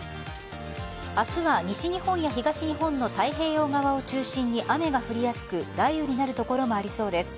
明日は西日本や東日本の太平洋側を中心に雨が降りやすく雷雨になる所もありそうです。